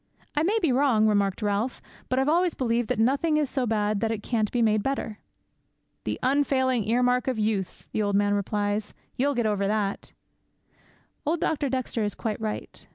'"I may be wrong," remarked Ralph, "but I've always believed that nothing is so bad that it can't be made better." '"The unfailing earmark of youth," the old man replies; "you'll get over that!"' Old Dr. Dexter is quite right.